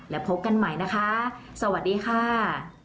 แล้วพบกันใหม่นะคะสวัสดีค่ะ